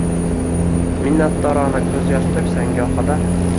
Minnatdorona ko’zyosh to’ksang gohida